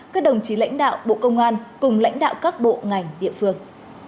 các đồng chí lãnh đạo bộ công an cùng lãnh đạo các bộ ngành địa phương